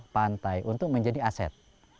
pantai untuk menjadi aset